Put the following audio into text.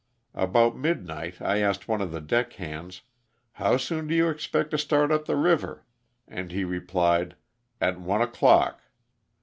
About midnight I asked one of the deck hands, "How soon do you expect to start up the river?" and he replied, ''At one o'clock."